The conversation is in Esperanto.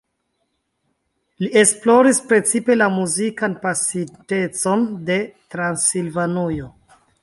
Li esploris precipe la muzikan pasintecon de Transilvanujo.